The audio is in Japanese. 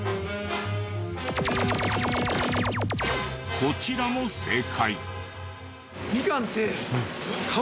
こちらも正解。